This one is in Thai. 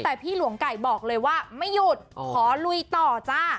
แต่พี่หลวงไก่บอกเลยว่าไม่หยุดขอลุยต่อจ้า